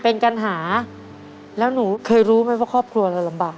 เป็นปัญหาแล้วหนูเคยรู้ไหมว่าครอบครัวเราลำบาก